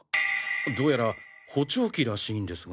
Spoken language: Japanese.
どうやら補聴器らしいんですが。